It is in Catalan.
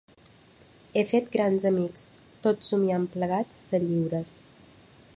He fet grans amics, tot somiant plegats ser lliures .